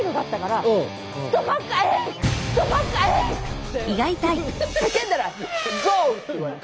って叫んだら「Ｇｏ！」って言われた。